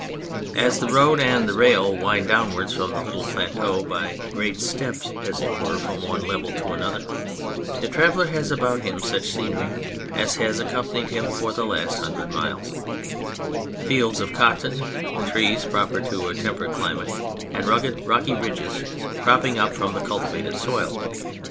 As the road and the rail wind downwards from the little plateaux, by great steps as it were from one level to another, the traveller has about him such scenery as has accom panied him for the last hundred miles : fields of cotton, the trees proper to a temperate climate, and rugged, rocky ridges cropping up from the cultivated soil.